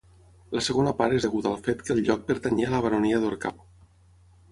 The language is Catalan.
La segona part és deguda al fet que el lloc pertanyia a la baronia d'Orcau.